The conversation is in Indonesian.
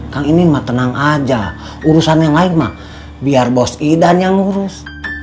kang ini tenang aja urusan yang lain mah biar bos idan yang ngurus